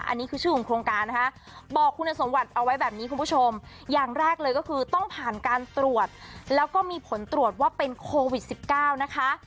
อันนี้คือชื่อของโครงการนะคะบอกคุณสมบัติเอาไว้แบบนี้คุณผู้ชมอย่างแรกเลยก็คือต้องผ่านการตรวจแล้วก็มีผลตรวจว่าเป็นโควิด๑๙นะคะ